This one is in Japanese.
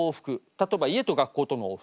例えば家と学校との往復。